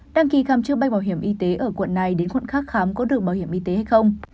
đăng ký khám chữa bệnh bảo hiểm y tế ở quận này đến quận khác khám có được bảo hiểm y tế hay không